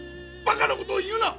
バカなことを言うな！